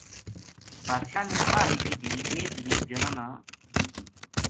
بادشاہ نے واہ نِکی دھی ایک غریب جنا نا دِتّی